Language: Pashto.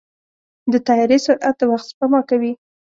د طیارې سرعت د وخت سپما کوي.